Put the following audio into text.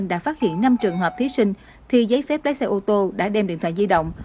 đã phát hiện năm trường hợp thí sinh thì giấy phép lái xe ô tô đã đem điện thoại di động